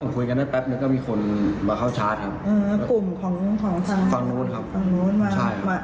คุยกันได้แป๊บนึกว่ามีคนมาเข้าชาร์จ